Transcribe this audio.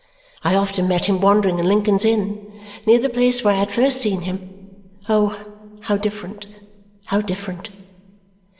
I often met him wandering in Lincoln's Inn, near the place where I had first seen him, oh how different, how different!